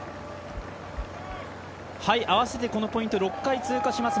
合わせてこのポイント６回、通過します。